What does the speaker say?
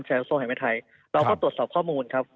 เจนชัยโซเหมือนไทยเราก็ตรวจสอบข้อมูลครับ